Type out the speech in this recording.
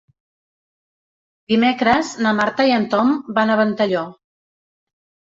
Dimecres na Marta i en Tom van a Ventalló.